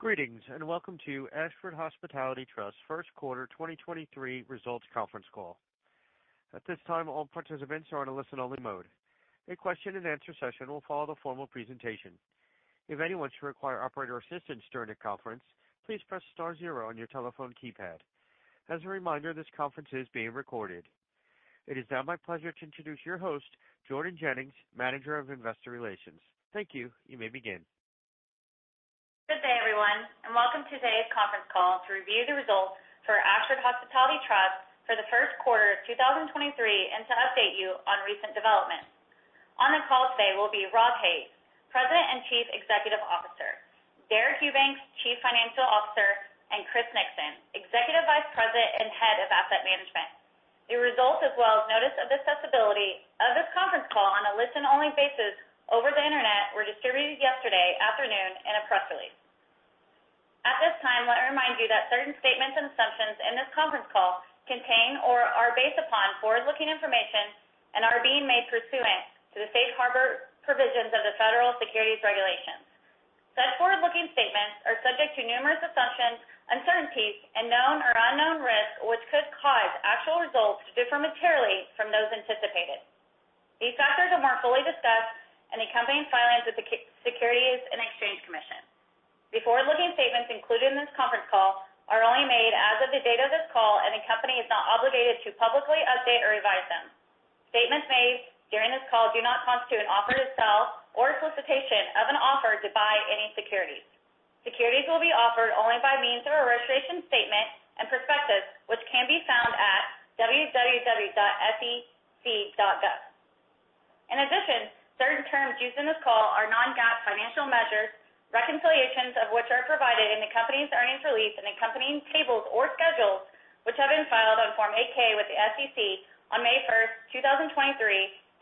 Greetings, and welcome to Ashford Hospitality Trust first quarter 2023 results conference call. At this time, all participants are on a listen-only mode. A question-and-answer session will follow the formal presentation. If anyone should require operator assistance during the conference, please press star zero on your telephone keypad. As a reminder, this conference is being recorded. It is now my pleasure to introduce your host, Jordan Jennings, Manager of Investor Relations. Thank you. You may begin. Good day, everyone, and welcome to today's conference call to review the results for Ashford Hospitality Trust for the first quarter of 2023 and to update you on recent developments. On the call today will be Rob Hays, President and Chief Executive Officer, Deric Eubanks, Chief Financial Officer, and Chris Nixon, Executive Vice President and Head of Asset Management. The results as well as notice of accessibility of this conference call on a listen-only basis over the Internet were distributed yesterday afternoon in a press release. At this time, let me remind you that certain statements and assumptions in this conference call contain or are based upon forward-looking information and are being made pursuant to the safe harbor provisions of the Federal Securities Regulations. Said forward-looking statements are subject to numerous assumptions, uncertainties, and known or unknown risks, which could cause actual results to differ materially from those anticipated. These factors are more fully discussed in the company's filings with the Securities and Exchange Commission. The forward-looking statements included in this conference call are only made as of the date of this call, and the company is not obligated to publicly update or revise them. Statements made during this call do not constitute an offer to sell or solicitation of an offer to buy any securities. Securities will be offered only by means of a registration statement and prospectus, which can be found at www.sec.gov. In addition, certain terms used in this call are non-GAAP financial measures, reconciliations of which are provided in the company's earnings release and accompanying tables or schedules, which have been filed on Form 8-K with the SEC on May 1, 2023,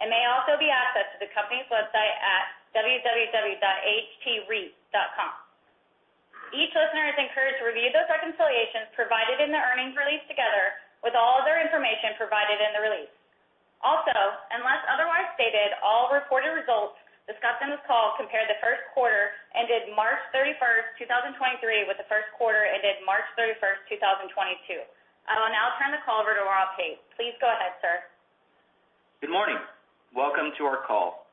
and may also be accessed at the company's website at www.ahtreit.com. Each listener is encouraged to review those reconciliations provided in the earnings release together with all other information provided in the release. Also, unless otherwise stated, all reported results discussed on this call compare the first quarter ended March 31, 2023, with the first quarter ended March 31, 2022. I will now turn the call over to Rob Hays. Please go ahead, sir. Good morning. Welcome to our call.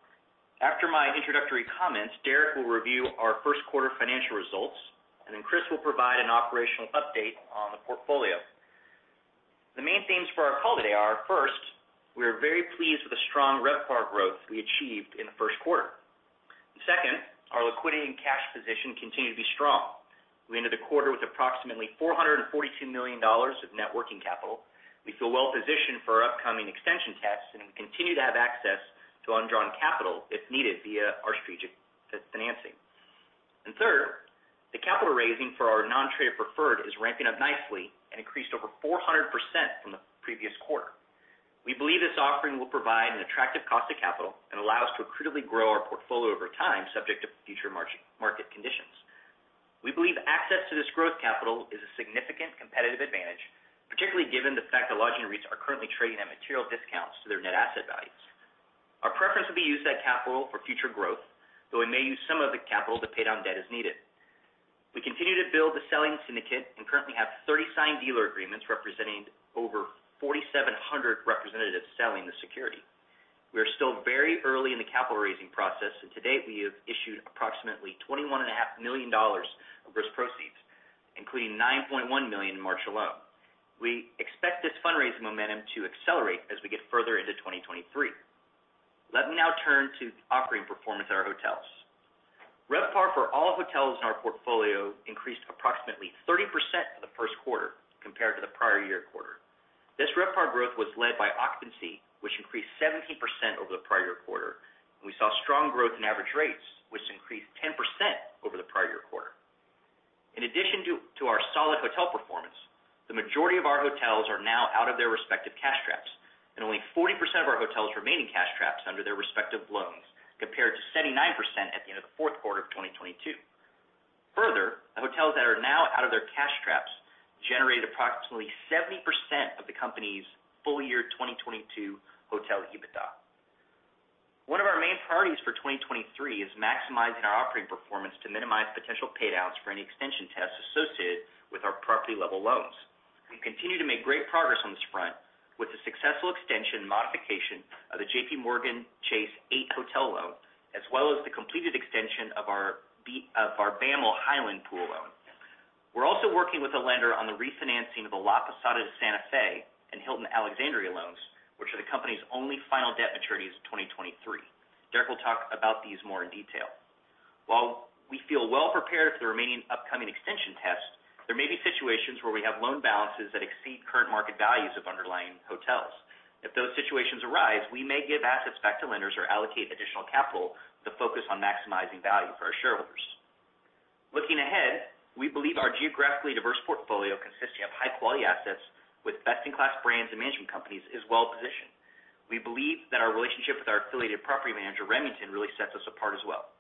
After my introductory comments, Deric will review our first quarter financial results, and then Chris will provide an operational update on the portfolio. The main themes for our call today are, first, we are very pleased with the strong RevPAR growth we achieved in the first quarter. Second, our liquidity and cash position continue to be strong. We ended the quarter with approximately $442 million of net working capital. We feel well positioned for our upcoming extension tests, and we continue to have access to undrawn capital if needed via our strategic financing. Third, the capital raising for our non-traded preferred is ramping up nicely and increased over 400% from the previous quarter. We believe this offering will provide an attractive cost of capital and allow us to accretively grow our portfolio over time, subject to future market conditions. We believe access to this growth capital is a significant competitive advantage, particularly given the fact that lodging rates are currently trading at material discounts to their net asset values. Our preference will be to use that capital for future growth, though we may use some of the capital to pay down debt as needed. We continue to build the selling syndicate and currently have 30 signed dealer agreements representing over 4,700 representatives selling the security. We are still very early in the capital raising process. To date, we have issued approximately twenty-one and a half million dollars of gross proceeds, including $9.1 million in March alone. We expect this fundraising momentum to accelerate as we get further into 2023. Let me now turn to operating performance at our hotels. RevPAR for all hotels in our portfolio increased approximately 30% for the first quarter compared to the prior year quarter. This RevPAR growth was led by occupancy, which increased 17% over the prior year quarter. We saw strong growth in average rates, which increased 10% over the prior year quarter. In addition to our solid hotel performance, the majority of our hotels are now out of their respective cash traps, and only 40% of our hotels remain in cash traps under their respective loans, compared to 79% at the end of the fourth quarter of 2022. Further, the hotels that are now out of their cash traps generated approximately 70% of the company's full year 2022 hotel EBITDA. One of our main priorities for 2023 is maximizing our operating performance to minimize potential payouts for any extension tests associated with our property-level loans. We continue to make great progress on this front with the successful extension modification of the JPMorgan Chase 8 hotel loan, as well as the completed extension of our BAML Highland pool loan. We're also working with a lender on the refinancing of the La Posada de Santa Fe and Hilton Alexandria loans, which are the company's only final debt maturities in 2023. Deric will talk about these more in detail. While we feel well prepared for the remaining upcoming extension tests, there may be situations where we have loan balances that exceed current market values of underlying hotels. If those situations arise, we may give assets back to lenders or allocate additional capital to focus on maximizing value for our shareholders. Looking ahead, we believe our geographically diverse portfolio consisting of high-quality assets with best-in-class brands and management companies is well positioned. We believe that our relationship with our affiliated property manager, Remington, really sets us apart as well.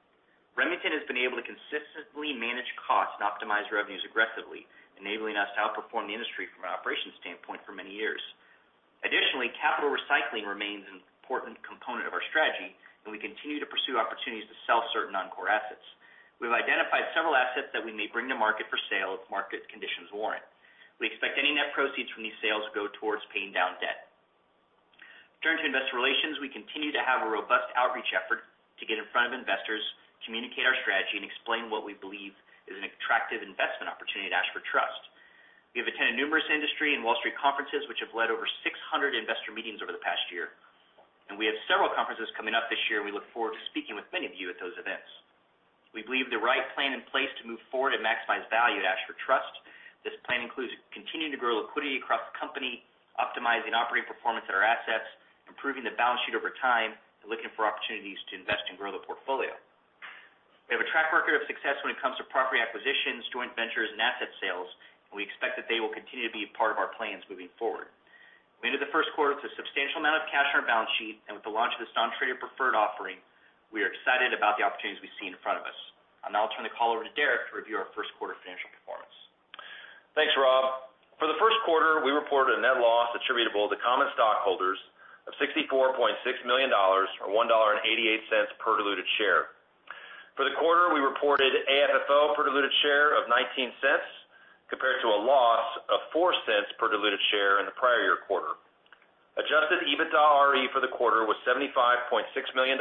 Remington has been able to consistently manage costs and optimize revenues aggressively, enabling us to outperform the industry from an operations standpoint for many years. Additionally, capital recycling remains an important component of our strategy, and we continue to pursue opportunities to sell certain non-core assets. We've identified several assets that we may bring to market for sale if market conditions warrant. We expect any net proceeds from these sales to go towards paying down debt. Turning to investor relations, we continue to have a robust outreach effort to get in front of investors, communicate our strategy, and explain what we believe is an attractive investment opportunity at Ashford Trust. We have attended numerous industry and Wall Street conferences, which have led over 600 investor meetings over the past year, and we have several conferences coming up this year. We look forward to speaking with many of you at those events. We believe the right plan in place to move forward and maximize value at Ashford Trust. This plan includes continuing to grow liquidity across the company, optimizing operating performance at our assets, improving the balance sheet over time, and looking for opportunities to invest and grow the portfolio. We have a track record of success when it comes to property acquisitions, joint ventures, and asset sales. We expect that they will continue to be a part of our plans moving forward. We ended the first quarter with a substantial amount of cash on our balance sheet. With the launch of this non-traded preferred offering, we are excited about the opportunities we see in front of us. I'll now turn the call over to Deric to review our first quarter financial performance. Thanks, Rob. For the first quarter, we reported a net loss attributable to common stockholders of $64.6 million, or $1.88 per diluted share. For the quarter, we reported AFFO per diluted share of $0.19 compared to a loss of $0.04 per diluted share in the prior year quarter. Adjusted EBITDAre for the quarter was $75.6 million,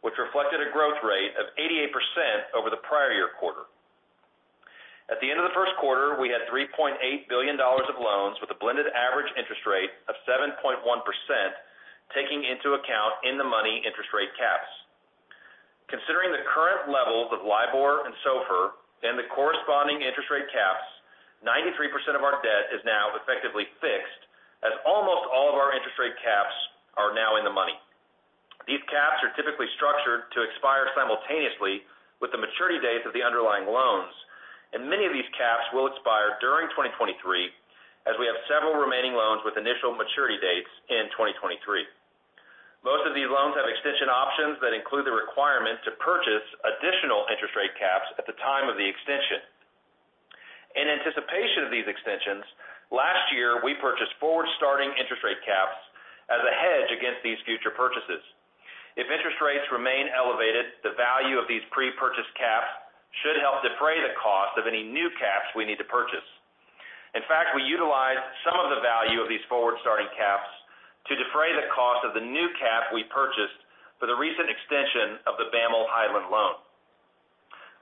which reflected a growth rate of 88% over the prior year quarter. At the end of the first quarter, we had $3.8 billion of loans with a blended average interest rate of 7.1%, taking into account in-the-money interest rate caps. Considering the current levels of LIBOR and SOFR and the corresponding interest rate caps, 93% of our debt is now effectively fixed as almost all of our interest rate caps are now in the money. These caps are typically structured to expire simultaneously with the maturity dates of the underlying loans, and many of these caps will expire during 2023 as we have several remaining loans with initial maturity dates in 2023. Most of these loans have extension options that include the requirement to purchase additional interest rate caps at the time of the extension. In anticipation of these extensions, last year, we purchased forward-starting interest rate caps as a hedge against these future purchases. If interest rates remain elevated, the value of these pre-purchased caps should help defray the cost of any new caps we need to purchase. In fact, we utilized some of the value of these forward-starting caps to defray the cost of the new cap we purchased for the recent extension of the BAML Highland loan.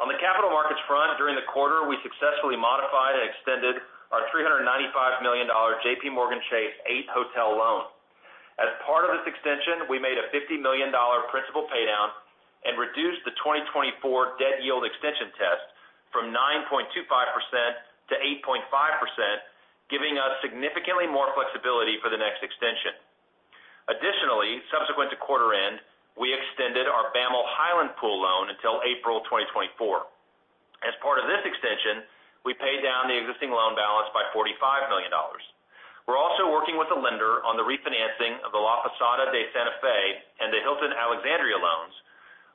On the capital markets front, during the quarter, we successfully modified and extended our $395 million JPMorgan Chase 8-hotel loan. As part of this extension, we made a $50 million principal paydown and reduced the 2024 debt yield extension test from 9.25%-8.5%, giving us significantly more flexibility for the next extension. Additionally, subsequent to quarter end, we extended our BAML Highland pool loan until April 2024. As part of this extension, we paid down the existing loan balance by $45 million. We're also working with the lender on the refinancing of the La Posada de Santa Fe and the Hilton Alexandria loans,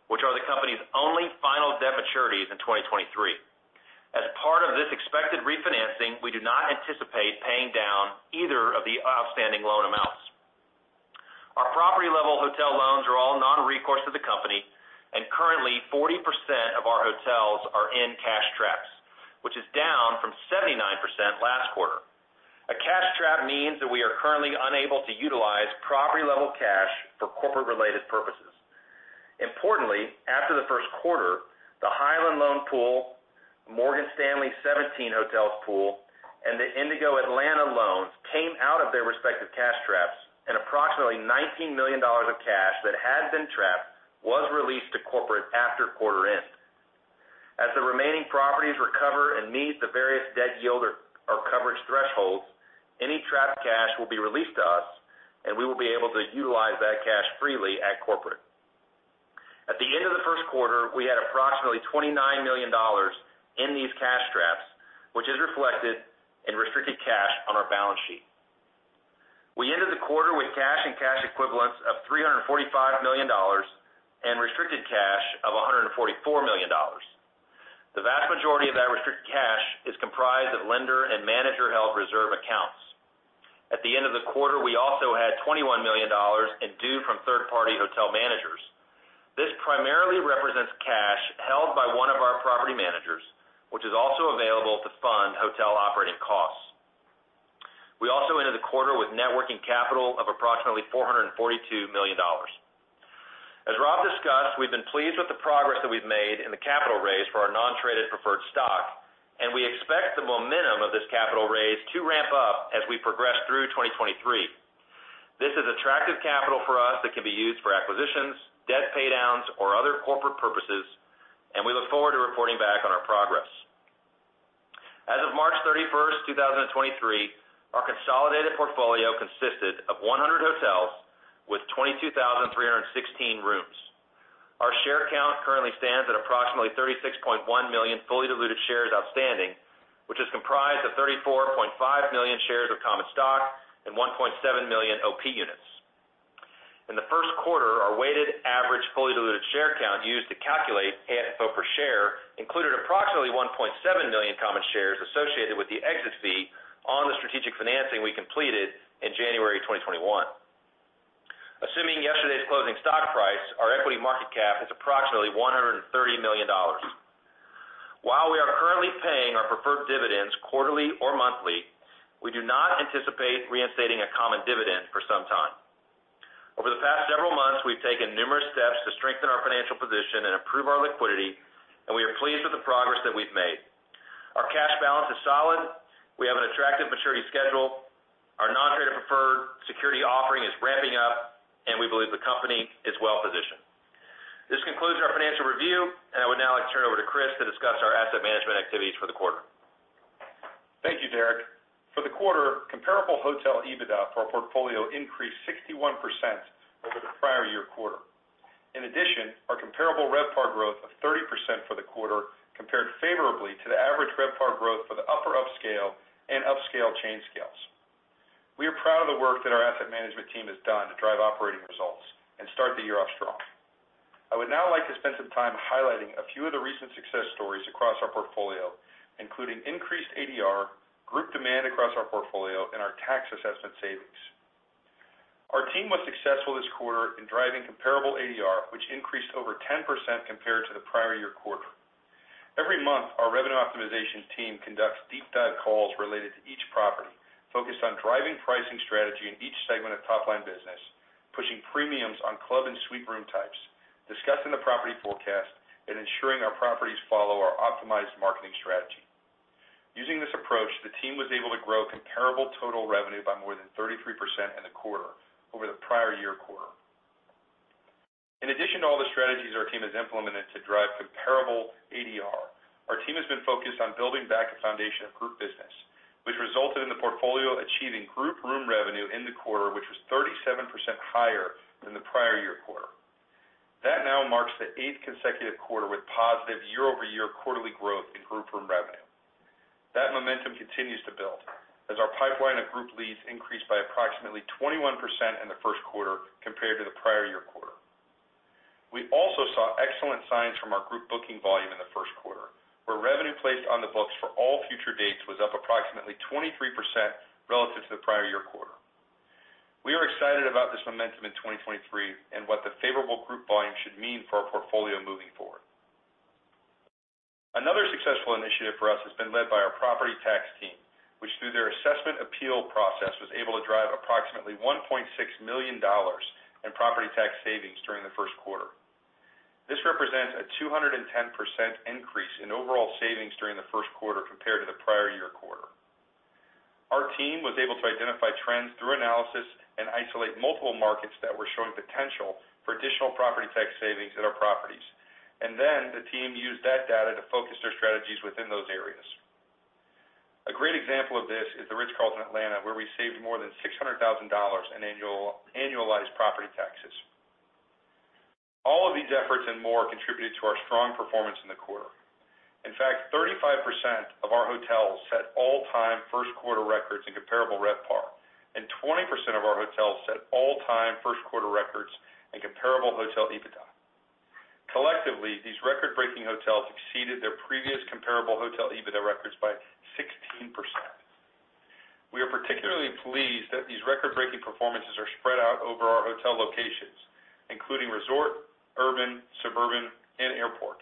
which are the company's only final debt maturities in 2023. As part of this expected refinancing, we do not anticipate paying down either of the outstanding loan amounts. Our property-level hotel loans are all non-recourse to the company, and currently, 40% of our hotels are in cash traps, which is down from 79% last quarter. A cash trap means that we are currently unable to utilize property-level cash for corporate-related purposes. Importantly, after the first quarter, the Highland loan pool, Morgan Stanley 17 hotels pool, and the Indigo Atlanta loans came out of their respective cash traps, and approximately $19 million of cash that had been trapped was released to corporate after quarter end. As the remaining properties recover and meet the various debt yield or coverage thresholds, any trapped cash will be released to us. We will be able to utilize that cash freely at corporate. At the end of the first quarter, we had approximately $29 million in these cash traps, which is reflected in restricted cash on our balance sheet. We ended the quarter with cash and cash equivalents of $345 million and restricted cash of $144 million. The vast majority of that restricted cash is comprised of lender and manager-held reserve accounts. At the end of the quarter, we also had $21 million in due from third-party hotel managers. This primarily represents cash held by one of our property managers, which is also available to fund hotel operating costs. We also ended the quarter with net working capital of approximately $442 million. As Rob discussed, we've been pleased with the progress that we've made in the capital raise for our non-traded preferred stock. We expect the momentum of this capital raise to ramp up as we progress through 2023. This is attractive capital for us that can be used for acquisitions, debt paydowns, or other corporate purposes. We look forward to reporting back on our progress. As of March 31, 2023, our consolidated portfolio consisted of 100 hotels with 22,316 rooms. Our share count currently stands at approximately 36.1 million fully diluted shares outstanding, which is comprised of 34.5 million shares of common stock and 1.7 million OP units. In the first quarter, our weighted average fully diluted share count used to calculate AFFO per share included approximately 1.7 million common shares associated with the exit fee on the strategic financing we completed in January 2021. Assuming yesterday's closing stock price, our equity market cap is approximately $130 million. While we are currently paying our preferred dividends quarterly or monthly, we do not anticipate reinstating a common dividend for some time. Over the past several months, we've taken numerous steps to strengthen our financial position and improve our liquidity, and we are pleased with the progress that we've made. Our cash balance is solid. We have an attractive maturity schedule. Our non-traded preferred security offering is ramping up, and we believe the company is well-positioned. This concludes our financial review, and I would now like to turn it over to Chris to discuss our asset management activities for the quarter. Thank you, Deric. For the quarter, comparable hotel EBITDA for our portfolio increased 61% over the prior year quarter. In addition, our comparable RevPAR growth of 30% for the quarter compared favorably to the average RevPAR growth for the upper upscale and upscale chain scales. We are proud of the work that our asset management team has done to drive operating results and start the year off strong. I would now like to spend some time highlighting a few of the recent success stories across our portfolio, including increased ADR, group demand across our portfolio, and our tax assessment savings. Our team was successful this quarter in driving comparable ADR, which increased over 10% compared to the prior year quarter. Every month, our revenue optimization team conducts deep dive calls related to each property, focused on driving pricing strategy in each segment of top-line business, pushing premiums on club and suite room types, discussing the property forecast, and ensuring our properties follow our optimized marketing strategy. Using this approach, the team was able to grow comparable total revenue by more than 33% in the quarter over the prior year quarter. In addition to all the strategies our team has implemented to drive comparable ADR, our team has been focused on building back a foundation of group business, which resulted in the portfolio achieving group room revenue in the quarter, which was 37% higher than the prior year quarter. That now marks the eighth consecutive quarter with positive year-over-year quarterly growth in group room revenue. That momentum continues to build as our pipeline of group leads increased by approximately 21% in the first quarter compared to the prior year quarter. We also saw excellent signs from our group booking volume in the first quarter, where revenue placed on the books for all future dates was up approximately 23% relative to the prior year quarter. We are excited about this momentum in 2023 and what the favorable group volume should mean for our portfolio moving forward. Another successful initiative for us has been led by our property tax team, which through their assessment appeal process, was able to drive approximately $1.6 million in property tax savings during the first quarter. This represents a 210% increase in overall savings during the first quarter compared to the prior year quarter. Our team was able to identify trends through analysis and isolate multiple markets that were showing potential for additional property tax savings at our properties. The team used that data to focus their strategies within those areas. A great example of this is The Ritz-Carlton Atlanta, where we saved more than $600,000 in annual, annualized property taxes. All of these efforts and more contributed to our strong performance in the quarter. In fact, 35% of our hotels set all-time first quarter records in comparable RevPAR, and 20% of our hotels set all-time first quarter records in comparable hotel EBITDA. Collectively, these record-breaking hotels exceeded their previous comparable hotel EBITDA records by 16%. We are particularly pleased that these record-breaking performances are spread out over our hotel locations, including resort, urban, suburban, and airport.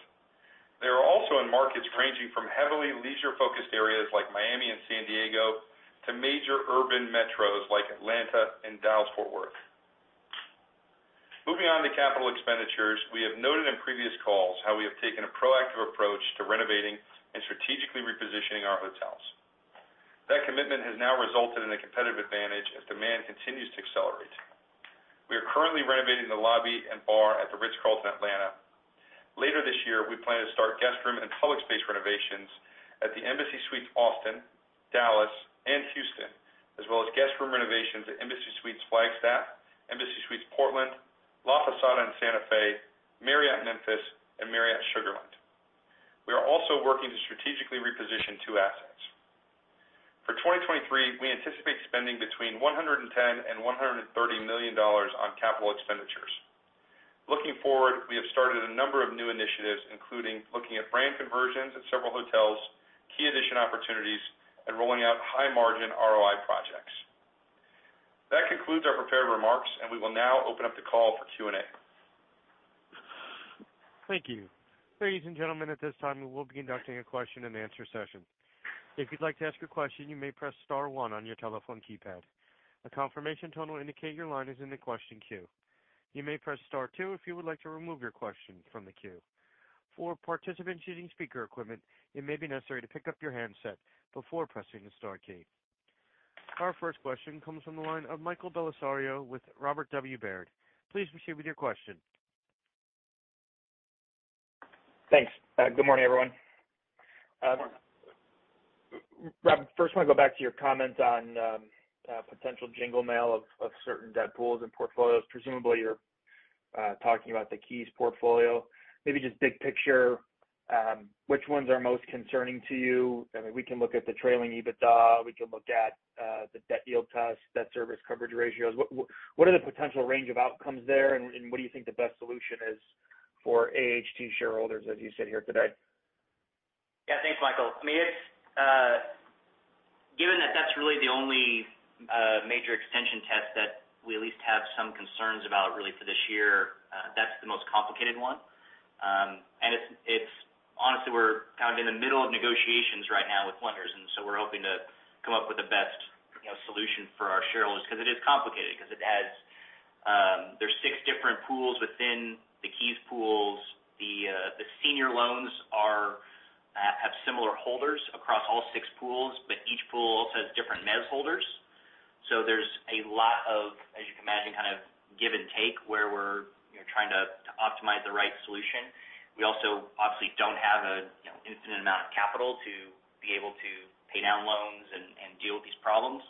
They are also in markets ranging from heavily leisure-focused areas like Miami and San Diego to major urban metros like Atlanta and Dallas-Fort Worth. Moving on to capital expenditures, we have noted in previous calls how we have taken a proactive approach to renovating and strategically repositioning our hotels. That commitment has now resulted in a competitive advantage as demand continues to accelerate. We are currently renovating the lobby and bar at The Ritz-Carlton Atlanta. Later this year, we plan to start guest room and public space renovations at the Embassy Suites Austin, Dallas, and Houston, as well as guest room renovations at Embassy Suites Flagstaff, Embassy Suites Portland, La Posada in Santa Fe, Marriott Memphis, and Marriott Sugar Land. We are also working to strategically reposition two assets. For 2023, we anticipate spending between $110 million and $130 million on capital expenditures. Looking forward, we have started a number of new initiatives, including looking at brand conversions at several hotels, key addition opportunities, and rolling out high-margin ROI projects. That concludes our prepared remarks, and we will now open up the call for Q&A. Thank you. Ladies and gentlemen, at this time, we will be conducting a question-and-answer session. If you'd like to ask a question, you may press star one on your telephone keypad. A confirmation tone will indicate your line is in the question queue. You may press star two if you would like to remove your question from the queue. For participants using speaker equipment, it may be necessary to pick up your handset before pressing the star key. Our first question comes from the line of Michael Bellisario with Robert W. Baird. Please proceed with your question. Thanks. good morning, everyone. Rob, first, I wanna go back to your comments on potential jingle mail of certain debt pools and portfolios, presumably Talking about the KEYS portfolio, maybe just big picture, which ones are most concerning to you? I mean, we can look at the trailing EBITDA. We can look at the debt yield test, debt service coverage ratios. What are the potential range of outcomes there? What do you think the best solution is for AHT shareholders as you sit here today? Yeah. Thanks, Michael. I mean, it's given that that's really the only major extension test that we at least have some concerns about really for this year, that's the most complicated one. It's honestly, we're kind of in the middle of negotiations right now with lenders, we're hoping to come up with the best, you know, solution for our shareholders 'cause it is complicated 'cause there's six different pools within the KEYS pools. The senior loans are have similar holders across all six pools, each pool also has different mez holders. There's a lot of, as you can imagine, kind of give and take where we're, you know, trying to optimize the right solution. We also obviously don't have a, you know, infinite amount of capital to be able to pay down loans and deal with these problems.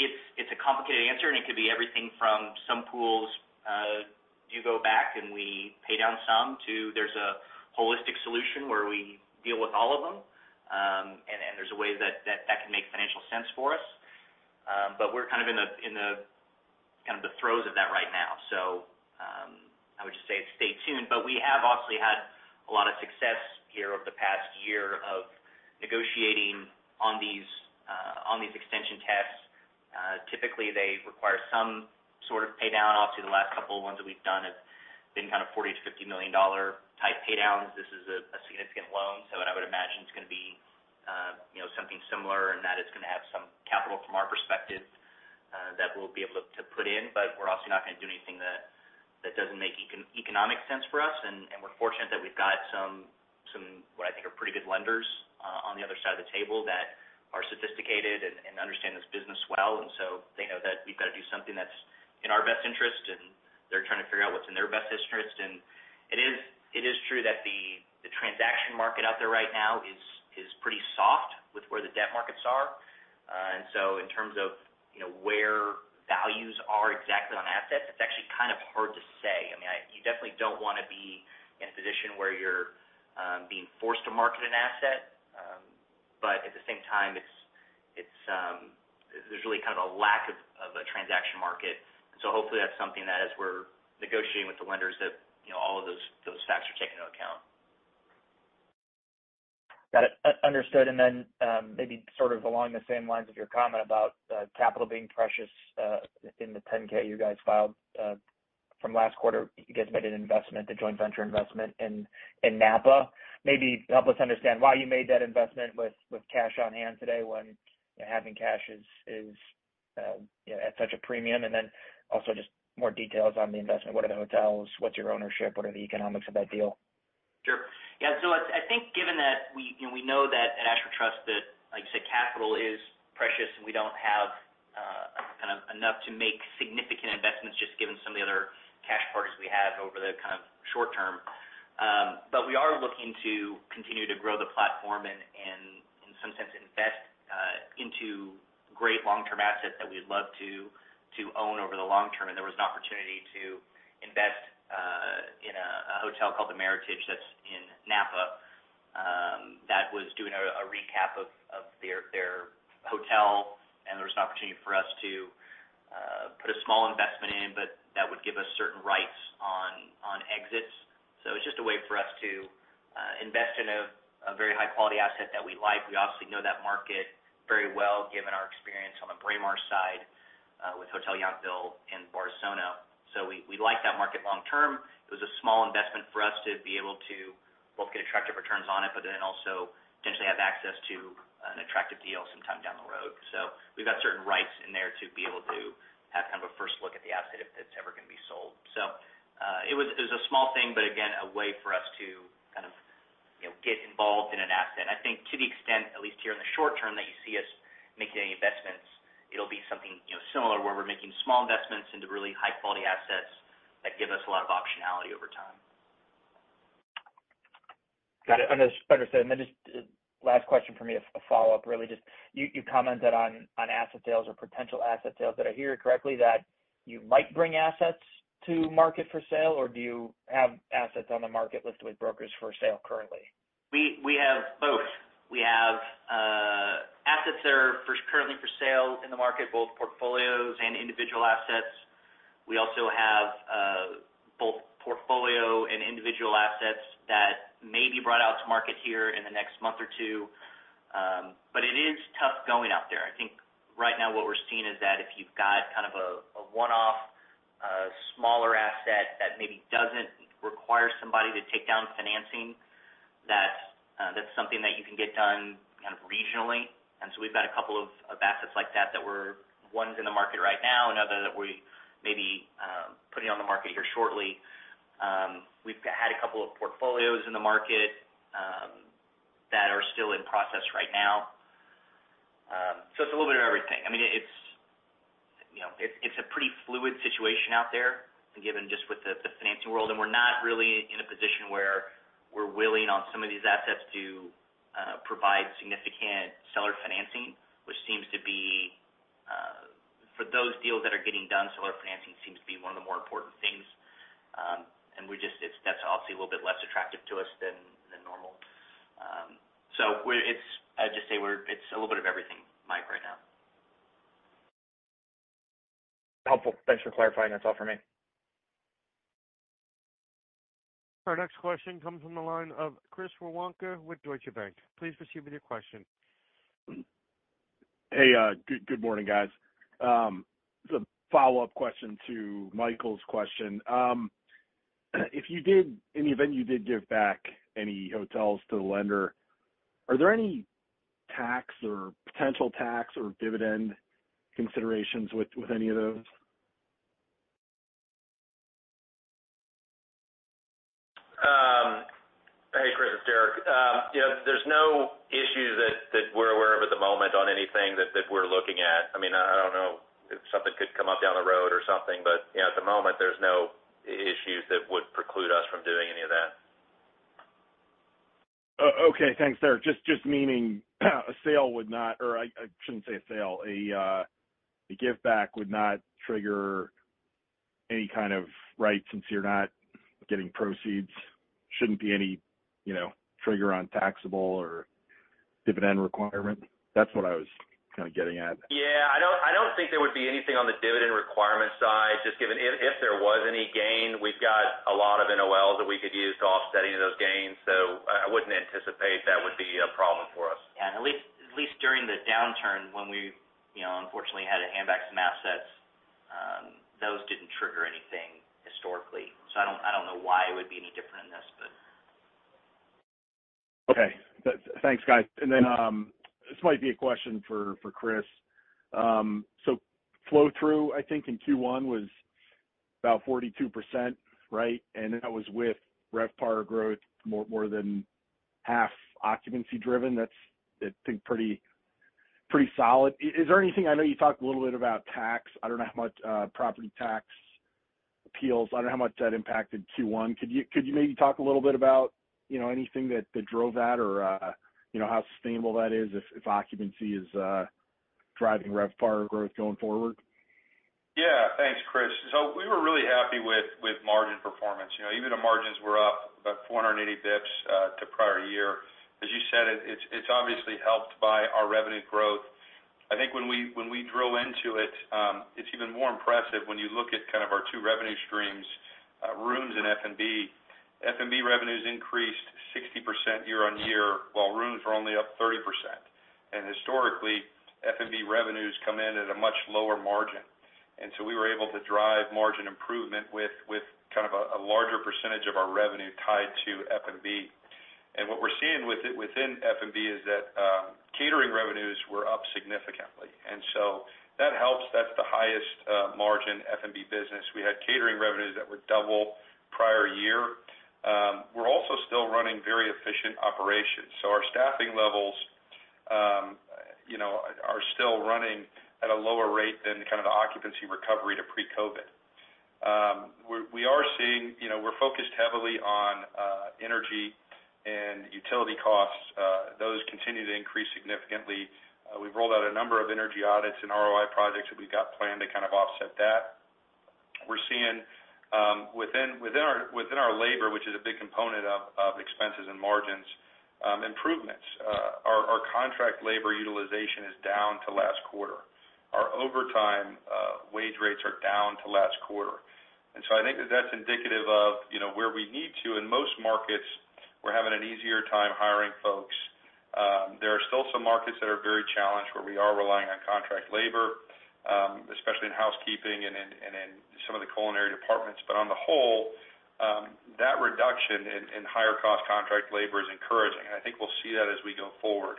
It's, it's a complicated answer, and it could be everything from some pools do go back, and we pay down some to there's a holistic solution where we deal with all of them, and there's a way that can make financial sense for us. We're kind of in the, in the kind of the throes of that right now. I would just say stay tuned. We have obviously had a lot of success here over the past year of negotiating on these, on these extension tests. Typically, they require some sort of pay down. Obviously, the last couple ones that we've done have been kind of $40 million-$50 million dollar type pay downs. This is a significant loan, so what I would imagine it's gonna be, you know, something similar in that it's gonna have some capital from our perspective that we'll be able to put in. We're also not gonna do anything that doesn't make economic sense for us. We're fortunate that we've got some what I think are pretty good lenders on the other side of the table that are sophisticated and understand this business well. They know that we've got to do something that's in our best interest, and they're trying to figure out what's in their best interest. It is true that the transaction market out there right now is pretty soft with where the debt markets are. In terms of, you know, where values are exactly on assets, it's actually kind of hard to say. I mean, you definitely don't wanna be in a position where you're being forced to market an asset. At the same time, it's, there's really kind of a lack of a transaction market. Hopefully that's something that as we're negotiating with the lenders that, you know, all of those facts are taken into account. Got it. Understood. Then, maybe sort of along the same lines of your comment about capital being precious, in the 10-K you guys filed from last quarter, you guys made an investment, a joint venture investment in Napa. Maybe help us understand why you made that investment with cash on hand today when, you know, having cash is, you know, at such a premium. Then also just more details on the investment. What are the hotels? What's your ownership? What are the economics of that deal? Sure. Yeah. I think given that we and we know that at Ashford Trust that, like you said, capital is precious, and we don't have kind of enough to make significant investments just given some of the other cash partners we have over the kind of short term. We are looking to continue to grow the platform and in some sense invest into great long-term assets that we'd love to own over the long term. There was an opportunity to invest in a hotel called the Meritage that's in Napa that was doing a recap of their hotel. There was an opportunity for us to put a small investment in, but that would give us certain rights on exits. It's just a way for us to invest in a very high-quality asset that we like. We obviously know that market very well given our experience on the Braemar side with Hotel Yountville and Bardessono. We like that market long term. It was a small investment for us to be able to both get attractive returns on it, but then also potentially have access to an attractive deal sometime down the road. We've got certain rights in there to be able to have kind of a first look at the asset if it's ever gonna be sold. It was a small thing, but again, a way for us to kind of, you know, get involved in an asset. I think to the extent, at least here in the short term, that you see us making any investments, it'll be something, you know, similar where we're making small investments into really high-quality assets that give us a lot of optionality over time. Got it. Understood. Just last question for me, a follow-up, really. Just you commented on asset sales or potential asset sales. Did I hear correctly that you might bring assets to market for sale, or do you have assets on the market listed with brokers for sale currently? We have both. We have assets that are first currently for sale in the market, both portfolios and individual assets. We also have both portfolio and individual assets that may be brought out to market here in the next month or 2. It is tough going out there. I think right now what we're seeing is that if you've got kind of a one-off smaller asset that maybe doesn't require somebody to take down financing, that's something that you can get done kind of regionally. We've got a couple of assets like that one's in the market right now, another that we may be putting on the market here shortly. We've had a couple of portfolios in the market that are still in process right now. It's a little bit of everything. I mean, it's, you know, it's a pretty fluid situation out there given just with the financing world, we're not really in a position where we're willing on some of these assets to provide significant seller financing, which seems to be for those deals that are getting done, seller financing seems to be one of the more important things. That's obviously a little bit less attractive to us than normal. I'd just say it's a little bit of everything, Mike, right now. Helpful. Thanks for clarifying. That's all for me. Our next question comes from the line of Chris Woronka with Deutsche Bank. Please proceed with your question. Hey, good morning, guys. Just a follow-up question to Michael's question. If you did, in the event you did give back any hotels to the lender, are there any tax or potential tax or dividend considerations with any of those? Hey, Chris, it's Deric. Yeah, there's no issues that we're aware of at the moment on anything that we're looking at. I mean, I don't know if something could come up down the road or something, but, you know, at the moment, there's no issues that would preclude us from doing any of that. Okay. Thanks, Deric. Just meaning a sale would not, or I shouldn't say a sale, a give back would not trigger any kind of right since you're not getting proceeds. Shouldn't be any, you know, trigger on taxable or dividend requirement. That's what I was kind of getting at. Yeah. I don't think there would be anything on the dividend requirement side just given if there was any gain, we've got a lot of NOLs that we could use to offset any of those gains. I wouldn't anticipate that would be a problem for us. Yeah. At least during the downturn when we, you know, unfortunately had to hand back some assets, those didn't trigger anything historically. I don't know why it would be any different in this, but... Okay. Thanks, guys. Then, this might be a question for Chris. Flow through, I think in Q1 was about 42%, right? That was with RevPAR growth more than half occupancy driven. That's, I think pretty solid. Is there anything? I know you talked a little bit about tax. I don't know how much property tax appeals. I don't know how much that impacted Q1. Could you maybe talk a little bit about, you know, anything that drove that or, you know, how sustainable that is if occupancy is driving RevPAR growth going forward? Yeah. Thanks, Chris. We were really happy with margin performance. You know, even the margins were up about 480 basis points to prior year. As you said, it's obviously helped by our revenue growth. I think when we, when we drill into it's even more impressive when you look at kind of our two revenue streams, rooms and F&B. F&B revenues increased 60% year-over-year, while rooms were only up 30%. Historically, F&B revenues come in at a much lower margin. We were able to drive margin improvement with kind of a larger percentage of our revenue tied to F&B. What we're seeing with it within F&B is that catering revenues were up significantly, and so that helps. That's the highest margin F&B business. We had catering revenues that were double prior year. We're also still running very efficient operations. Our staffing levels, you know, are still running at a lower rate than kind of the occupancy recovery to pre-COVID. We are seeing, you know, we're focused heavily on energy and utility costs. Those continue to increase significantly. We've rolled out a number of energy audits and ROI projects that we've got planned to kind of offset that. We're seeing, within our, within our labor, which is a big component of expenses and margins, improvements. Our, our contract labor utilization is down to last quarter. Our overtime wage rates are down to last quarter. I think that that's indicative of, you know, where we need to. In most markets, we're having an easier time hiring folks. There are still some markets that are very challenged, where we are relying on contract labor, especially in housekeeping and in some of the culinary departments. On the whole, that reduction in higher cost contract labor is encouraging, and I think we'll see that as we go forward.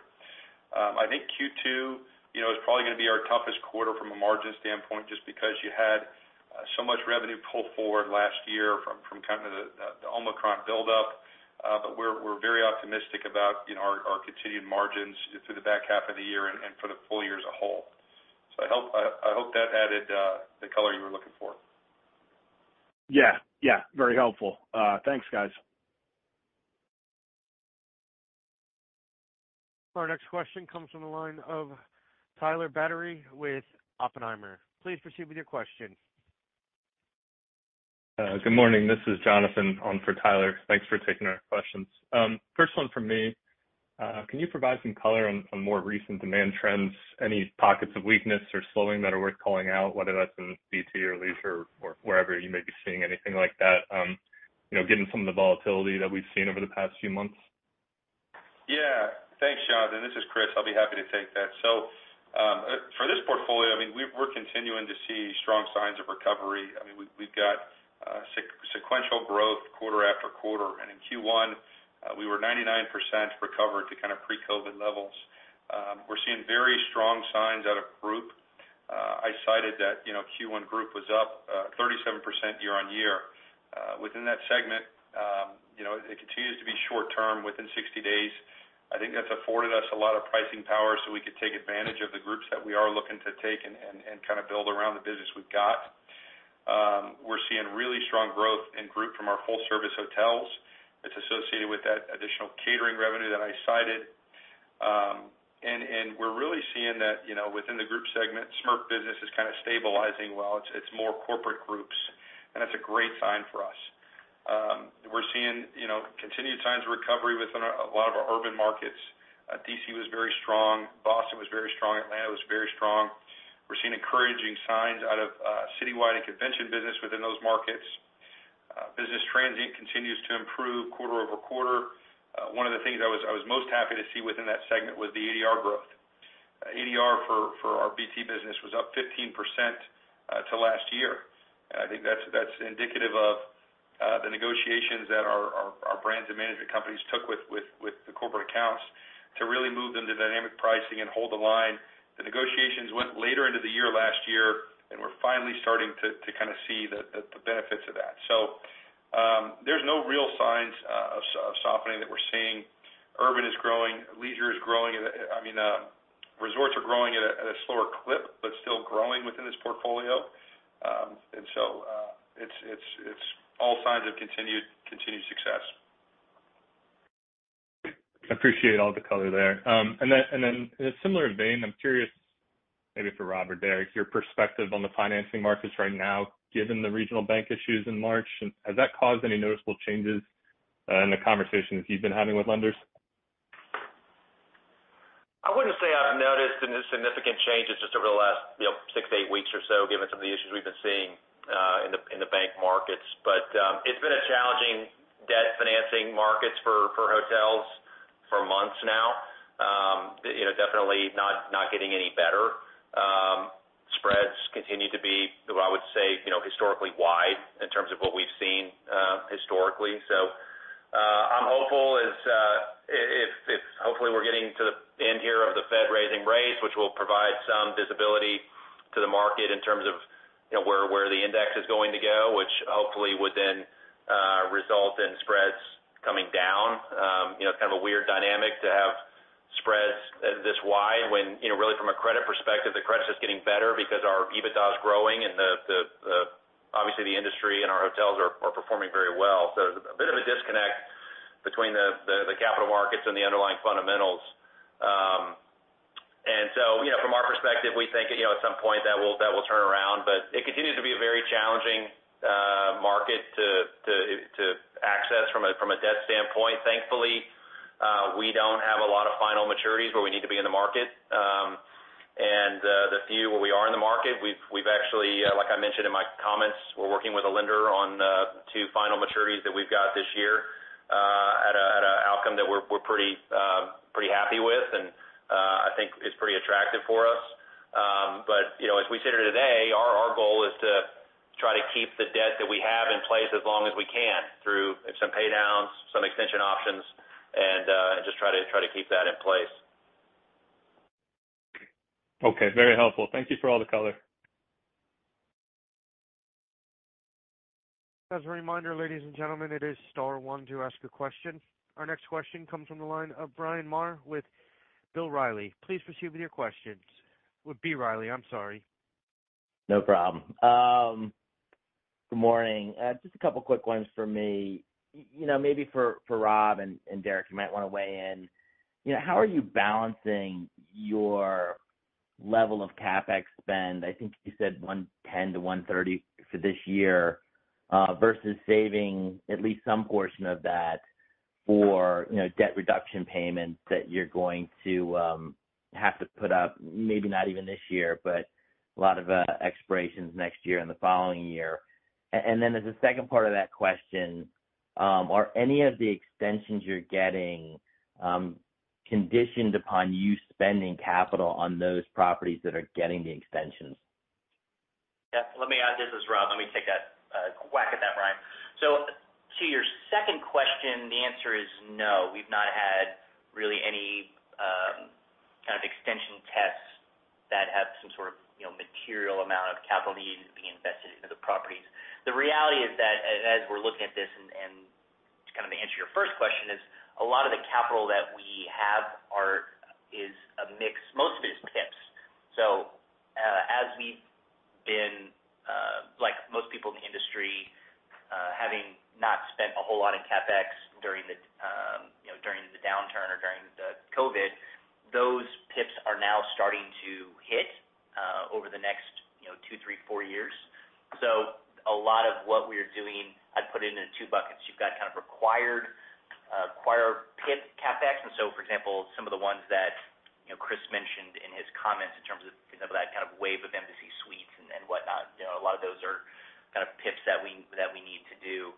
I think Q2, you know, is probably gonna be our toughest quarter from a margin standpoint just because you had so much revenue pull forward last year from kind of the Omicron buildup. We're very optimistic about, you know, our continued margins through the back half of the year and for the full year as a whole. I hope that added the color you were looking for. Yeah. Yeah, very helpful. thanks, guys. Our next question comes from the line of Tyler Batory with Oppenheimer. Please proceed with your question. Good morning. This is Jonathan on for Tyler. Thanks for taking our questions. First one from me. Can you provide some color on more recent demand trends, any pockets of weakness or slowing that are worth calling out, whether that's in DT or leisure or wherever you may be seeing anything like that, you know, given some of the volatility that we've seen over the past few months? Yeah. Thanks, Jonathan. This is Chris. I'll be happy to take that. For this portfolio, I mean, we're continuing to see strong signs of recovery. I mean, we've got sequential growth quarter after quarter. In Q1, we were 99% recovered to kind of pre-COVID levels. We're seeing very strong signs out of group. I cited that, you know, Q1 group was up 37% year-over-year. Within that segment, you know, it continues to be short term within 60 days. I think that's afforded us a lot of pricing power, so we could take advantage of the groups that we are looking to take and kind of build around the business we've got. We're seeing really strong growth in group from our full service hotels. It's associated with that additional catering revenue that I cited. We're really seeing that, you know, within the group segment, SMERF business is kind of stabilizing well. It's more corporate groups, and that's a great sign for us. We're seeing, you know, continued signs of recovery within a lot of our urban markets. D.C. was very strong. Boston was very strong. Atlanta was very strong. We're seeing encouraging signs out of city-wide and convention business within those markets. Business transient continues to improve quarter-over-quarter. One of the things I was most happy to see within that segment was the ADR growth. ADR for our BT business was up 15% to last year. I think that's indicative of the negotiations that our brands and management companies took with the corporate accounts to really move them to dynamic pricing and hold the line. The negotiations went later into the year last year, and we're finally starting to kind of see the benefits of that. There's no real signs of softening that we're seeing. Urban is growing, leisure is growing, and, I mean, resorts are growing at a slower clip, but still growing within this portfolio. It's all signs of continued success. Appreciate all the color there. In a similar vein, I'm curious, maybe for Rob or Deric, your perspective on the financing markets right now, given the regional bank issues in March. Has that caused any noticeable changes in the conversations you've been having with lenders? I wouldn't say I've noticed any significant changes just over the last, you know, six to eight weeks or so, given some of the issues we've been seeing in the bank markets. It's been a challenging debt financing markets for hotels for months now. You know, definitely not getting any better. Spreads continue to be what I would say, you know, historically wide in terms of what we've seen historically. I'm hopeful as if hopefully we're getting to the end here of the Fed raising rates, which will provide some visibility to the market in terms of, you know, where the index is going to go, which hopefully would then result in spreads coming down. You know, kind of a weird dynamic to have spreads this wide when, you know, really from a credit perspective, the credit's just getting better because our EBITDA is growing and the obviously the industry and our hotels are performing very well. There's a bit of a disconnect between the capital markets and the underlying fundamentals. You know, from our perspective, we think, you know, at some point that will turn around. It continues to be a very challenging market to access from a debt standpoint. Thankfully, we don't have a lot of final maturities where we need to be in the market. The few where we are in the market, we've actually, like I mentioned in my comments, we're working with a lender on two final maturities that we've got this year, at a outcome that we're pretty happy with and I think is pretty attractive for us. You know, as we sit here today, our goal is to try to keep the debt that we have in place as long as we can through some pay downs, some extension options, and just try to keep that in place. Okay, very helpful. Thank you for all the color. As a reminder, ladies and gentlemen, it is star one to ask a question. Our next question comes from the line of Bryan Maher with B. Riley. Please proceed with your questions. With B. Riley, I'm sorry. No problem. Good morning. Just a couple quick ones for me. You know, maybe for Rob and Deric, you might wanna weigh in. You know, how are you balancing your level of CapEx spend, I think you said $110 million-$130 million for this year, versus saving at least some portion of that for, you know, debt reduction payments that you're going to have to put up, maybe not even this year, but a lot of expirations next year and the following year? And then as a second part of that question, are any of the extensions you're getting conditioned upon you spending capital on those properties that are getting the extensions? Yeah. Let me add this as well. Let me take a quack at that, Bryan. To your second question, the answer is no. We've not had really any kind of extension tests that have some sort of, you know, material amount of capital needed to be invested into the properties. The reality is that as we're looking at this and to kind of answer your first question, is a lot of the capital that we have is a mix. Most of it is PIPS. As we've been, like most people in the industry, having not spent a whole lot in CapEx during the, you know, during the downturn or during the COVID, those PIPS are now starting to hit over the next, you know, two, three, four years. A lot of what we're doing, I'd put it into two buckets. You've got kind of required, acquire PIP CapEx. For example, some of the ones that, you know, Chris mentioned in his comments in terms of, you know, that kind of wave of Embassy Suites and whatnot, you know, a lot of those are kind of PIPS that we need to do.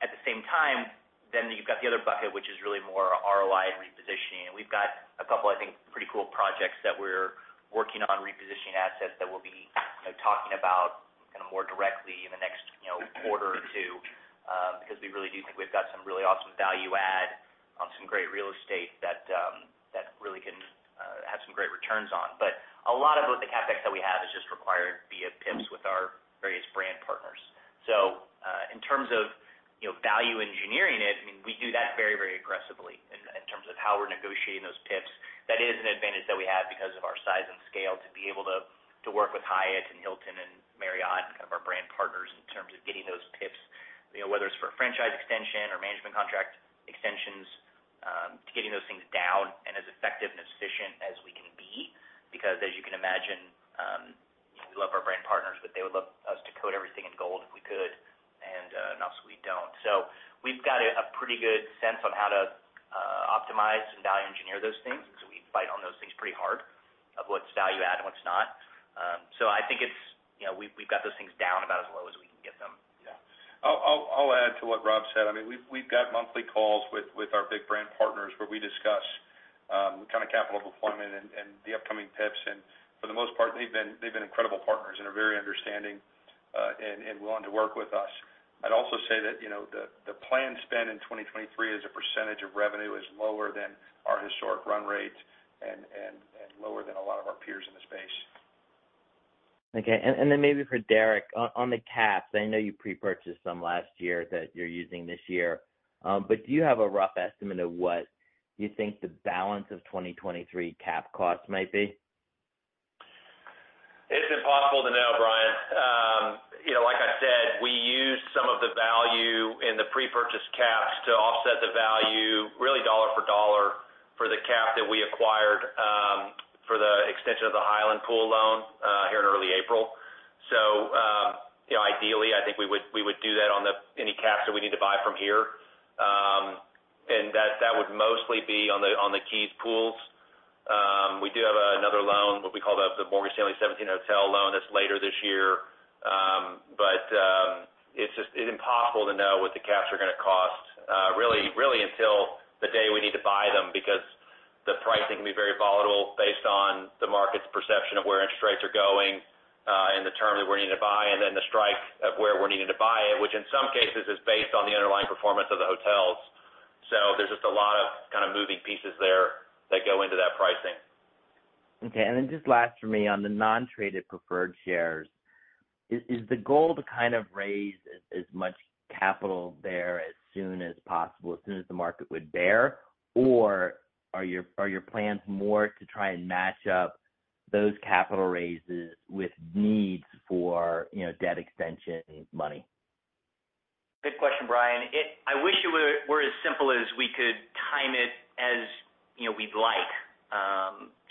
At the same time, then you've got the other bucket, which is really more ROI and repositioning. We've got a couple, I think, pretty cool projects that we're working on repositioning assets that we'll be, you know, talking about kind of more directly in the next, you know, quarter or two, because we really do think we've got some really awesome value add on some great real estate that really can have some great returns on. A lot of what the CapEx that we have is just required via PIPS with our various brand partners. In terms of, you know, value engineering it, I mean, we do that very, very aggressively in terms of how we're negotiating those PIPS. That is an advantage that we have because of our size and scale, to be able to work with Hyatt and Hilton and Marriott and kind of our brand partners in terms of getting those PIPS, you know, whether it's for a franchise extension or management contract extensions, to getting those things down and as effective and efficient as we can be. As you can imagine, you know, we love our brand partners, but they would love us to coat everything in gold if we could, and also we don't. We've got a pretty good sense on how to optimize and value engineer those things, so we fight on those things pretty hard of what's value add and what's not. I think it's. You know, we've got those things down about as low as we can get them. I'll add to what Rob said. I mean, we've got monthly calls with our big brand partners where we discuss kind of capital deployment and the upcoming PIPS. For the most part, they've been incredible partners and are very understanding and willing to work with us. I'd also say that, you know, the planned spend in 2023 as a % of revenue is lower than our historic run rate and lower than a lot of our peers in the space. Okay. Then maybe for Deric, on the caps, I know you prepurchased some last year that you're using this year. Do you have a rough estimate of what you think the balance of 2023 cap costs might be? It's impossible to know, Bryan. You know, like I said, we used some of the value in the prepurchase caps to offset the value really $1 for $1 for the cap that we acquired, for the extension of the Highland Pool loan, here in early April. You know, ideally, I think we would do that on any caps that we need to buy from here. That would mostly be on the KEYS pools. We do have another loan, what we call the Morgan Stanley 17 Hotel loan that's later this year. It's just, it's impossible to know what the caps are gonna cost, really until the day we need to buy them because the pricing can be very volatile based on the market's perception of where interest rates are going, and the term that we're needing to buy and then the strike of where we're needing to buy it, which in some cases is based on the underlying performance of the hotels. There's just a lot of kind of moving pieces there that go into that pricing. Okay. Then just last for me on the non-traded preferred shares, is the goal to kind of raise as much capital there as soon as possible, as soon as the market would bear, or are your plans more to try and match up those capital raises with needs for, you know, debt extension money? Good question, Bryan. I wish it were as simple as we could time it as, you know, we'd like.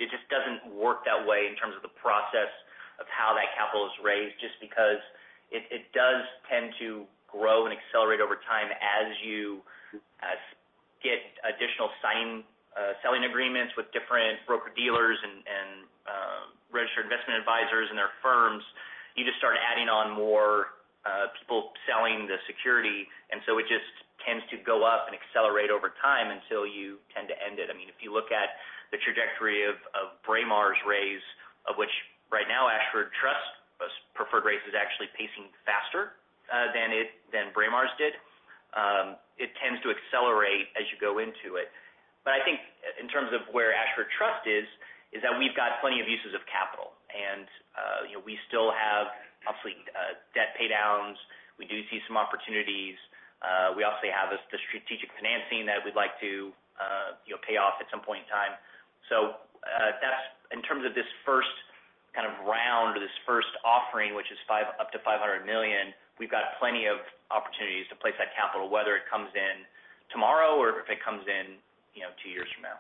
It just doesn't work that way in terms of the process of how that capital is raised, just because it does tend to grow and accelerate over time as you get additional selling agreements with different broker-dealers and registered investment advisors and their firms. You just start adding on more people selling the security. It just tends to go up and accelerate over time until you tend to end it. I mean, if you look at the trajectory of Braemar's raise, of which right now Ashford Trust's preferred raise is actually pacing faster than Braemar's did, it tends to accelerate as you go into it. I think in terms of where Ashford Trust is that we've got plenty of uses of capital. You know, we still have obviously debt paydowns. We do see some opportunities. We also have this, the strategic financing that we'd like to, you know, pay off at some point in time. In terms of this first kind of round or this first offering, which is up to $500 million, we've got plenty of opportunities to place that capital, whether it comes in tomorrow or if it comes in, you know, two years from now.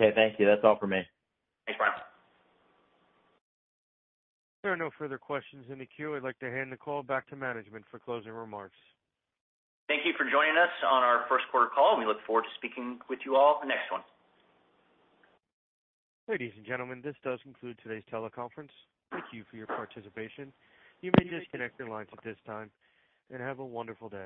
Okay, thank you. That's all for me. Thanks, Bryan. There are no further questions in the queue. I'd like to hand the call back to management for closing remarks. Thank you for joining us on our first quarter call, and we look forward to speaking with you all at the next one. Ladies and gentlemen, this does conclude today's teleconference. Thank you for your participation. You may disconnect your lines at this time, and have a wonderful day.